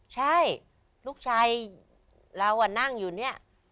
ใช่ลูกชายเรานั่งอยู่เนี่ย